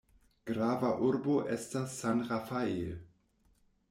Grava urbo estas San Rafael.